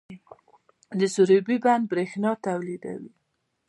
د سروبي بند بریښنا تولیدوي